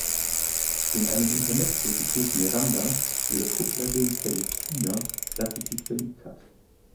In einem Intermezzo gesteht Miranda ihrer Kupplerin Celestina, dass sie sich verliebt hat.